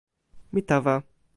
mi tawa！